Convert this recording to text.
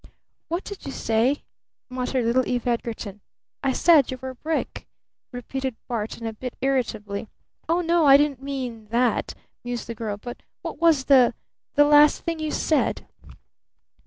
"What did you say?" muttered little Eve Edgarton. "I said you were a brick!" repeated Barton a bit irritably. "Oh, no, I didn't mean that," mused the girl. "But what was the last thing you said?"